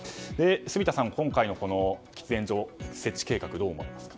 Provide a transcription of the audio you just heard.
住田さん、今回の喫煙所設置計画